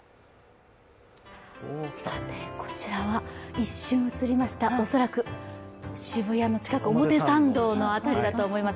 一瞬映りました、恐らく渋谷の近く表参道の辺りだと思います。